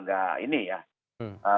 di pekanbaru itu malah ada ya